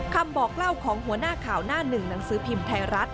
คำบอกเล่าของหัวหน้าข่าวหน้าหนึ่งหนังสือพิมพ์ไทยรัฐ